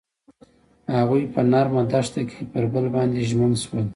هغوی په نرم دښته کې پر بل باندې ژمن شول.